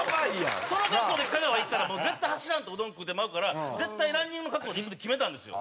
その格好で香川行ったら絶対走らんとうどん食うてまうから絶対ランニングの格好で行くって決めたんですよ。